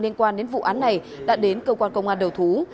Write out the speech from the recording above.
liên quan đến vụ án này đã đến cơ quan công an đầu thú